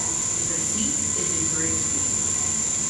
The seat is in Gracefield.